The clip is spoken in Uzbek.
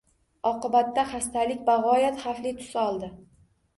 Oqibatda xastalik bag‘oyat xavfli tus oldi